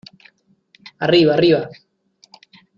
¡ arriba!... ¡ arriba !...